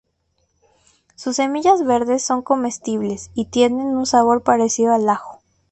Sus semillas verdes son comestibles y tienen un sabor parecido al ajo.